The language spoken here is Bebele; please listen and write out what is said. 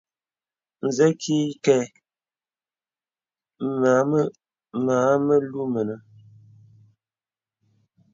Zə kì ìkɛ̂ mə a mèlù mìnə̀.